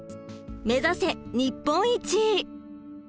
目指せ日本一！